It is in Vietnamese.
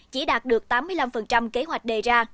chỉ đạt được tám mươi năm kế hoạch đề ra